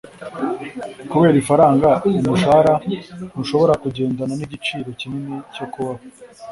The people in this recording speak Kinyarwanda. Kubera ifaranga, umushahara ntushobora kugendana nigiciro kinini cyo kubaho